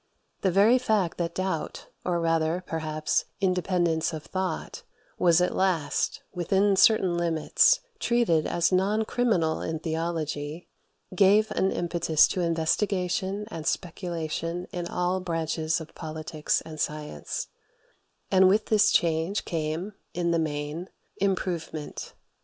The very fact that doubt, or rather, perhaps, independence of thought, was at last, within certain limits, treated as non criminal in theology, gave an impetus to investigation and speculation in all branches of politics and science; and with this change came, in the main, improvement.